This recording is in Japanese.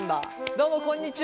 どうもこんにちは。